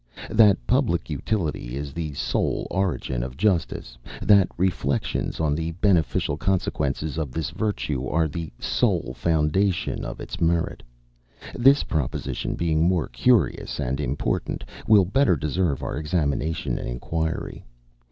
That public utility is the sole origin of justice, that reflections on the beneficial consequences of this virtue are the sole foundation of its merit; this proposition being more curious and important, will better deserve our examination and inquiry.